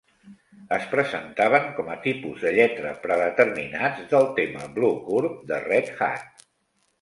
Es presentaven com a tipus de lletra predeterminats del tema Bluecurve de Red Hat.